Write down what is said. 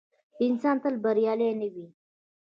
انسان تل بریالی نه وي.